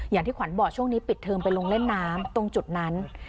อย่างที่ขวัญบอกช่วงนี้ปิดเทิมไปลงเล่นน้ำตรงจุดนั้น